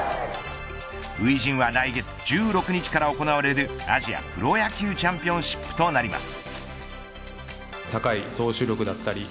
初陣は来月１６日から行われるアジアプロ野球チャンピオンシップとなります。